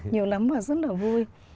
nhiều lắm và rất là vui